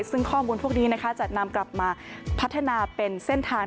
ซึ่งข้อมูลพวกนี้นะคะจะนำกลับมาพัฒนาเป็นเส้นทาง